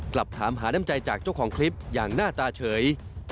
กลับถามหาน้ำใจจากเจ้าของคลิปอย่างหน้าตาเฉย